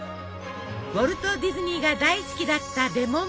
ウォルト・ディズニーが大好きだったレモンパイ。